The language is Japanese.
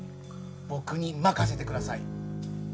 僕に任せてください。